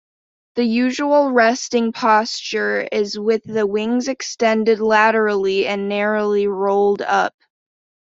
The usual resting posture is with the wings extended laterally and narrowly rolled up.